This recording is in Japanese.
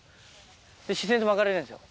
自然と巻かれるんですよ。